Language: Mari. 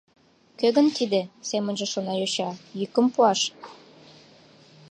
«Кӧ гын тиде? — семынже шона йоча. — йӱкым пуаш?